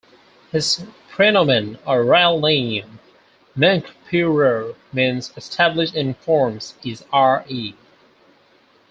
His prenomen or royal name, Menkheperure, means Established in forms is Re.